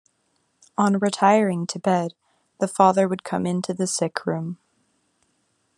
On retiring to bed, the father would come into the sickroom.